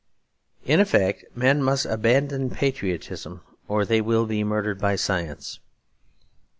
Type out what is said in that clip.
In effect, men must abandon patriotism or they will be murdered by science.